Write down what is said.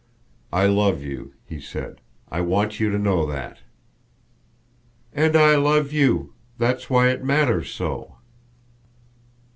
"I love you," he said. "I want you to know that!" "And I love you that's why it matters so."